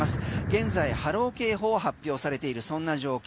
現在、波浪警報を発表されているそんな状態。